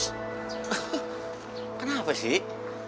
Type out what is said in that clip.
hai kenapa sih